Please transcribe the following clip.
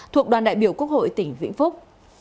thuộc đoàn đại biểu quốc hội tỉnh vĩnh phúc